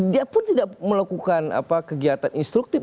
dia pun tidak melakukan kegiatan instruktif